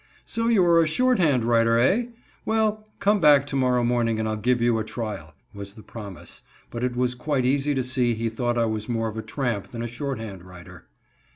"So you are a shorthand writer, eh! Well, come back to morrow morning and I'll give you a trial," was the promise, but it was quite easy to see he thought I was more of a tramp than a shorthand writer.